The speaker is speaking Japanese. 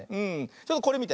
ちょっとこれみて。